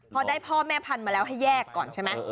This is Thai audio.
พอได้พ่อแม่พันธุ์มาแล้วให้แยกก่อนใช่ไหม